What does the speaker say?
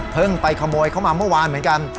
ไปขโมยเข้ามาเมื่อวานเหมือนกัน